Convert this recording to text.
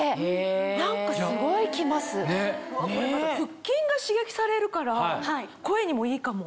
腹筋が刺激されるから声にもいいかも。